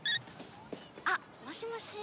あっもしもし。